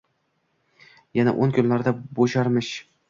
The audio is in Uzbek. Yana o‘n kunlarda bo‘sharmish.